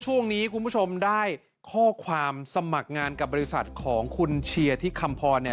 ช่วงนี้คุณผู้ชมได้ข้อความสมัครงานกับบริษัทของคุณเชียร์ที่คำพรเนี่ย